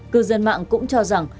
cư dân mạng cũng cho rằng